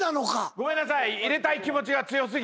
ごめんなさい。